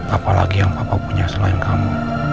apalagi yang bapak punya selain kamu